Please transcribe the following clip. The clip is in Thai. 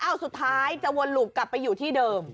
สุดท้ายจะวนหลุบกลับไปอยู่ที่เดิม